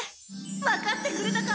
わかってくれたか？